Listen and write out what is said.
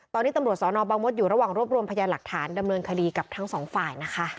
ตอนนี้ตำรวจสนบางมศอยู่ระหว่างรวบรวมพยานหลักฐานดำเนินคดีกับทั้งสองฝ่ายนะคะ